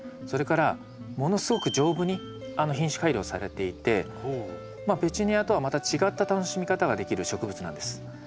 それからものすごく丈夫に品種改良されていてペチュニアとはまた違った楽しみ方ができる植物なんです。